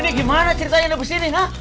waduh ini gimana ceritanya ini besi ini nah